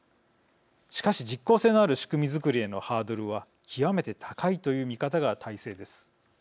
しかし、実効性のある仕組みづくりへのハードルは極めて高いという見方が大勢です。